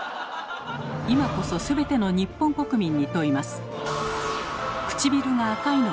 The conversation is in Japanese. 今こそすべての日本国民に問います。